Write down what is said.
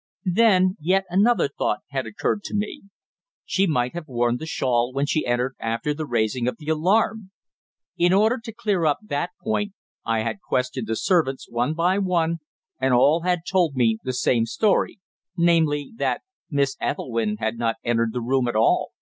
Then, yet another thought had occurred to me. She might have worn the shawl when she entered after the raising of the alarm. In order to clear up that point I had questioned the servants, one by one, and all had told me the same story, namely, that Miss Ethelwynn had not entered the room at all.